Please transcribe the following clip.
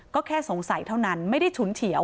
ก็แค่สงสัยเท่านั้นไม่ได้ฉุนเฉียว